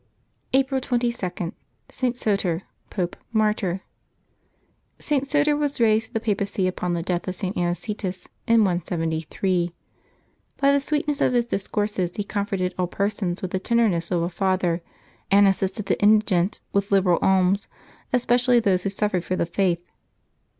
April 22. ST. SOTER, Pope, Martyr. [T. SoTER was raised to the papacy upon the death of St. Anicetus, in 173. By the sweetness of his discourses he comforted all persons with the tenderness of a father, and assisted the indigent with liberal alms, especially those w^ho suffered for the faith.